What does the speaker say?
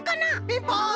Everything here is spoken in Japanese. ピンポン！